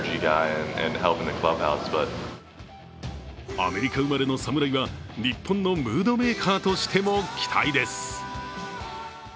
アメリカ生まれの侍は日本のムードメーカーとしても期待です。